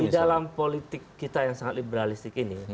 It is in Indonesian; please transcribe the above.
di dalam politik kita yang sangat liberalistik ini